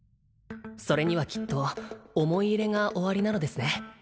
それにはきっと思い入れがおありなのですね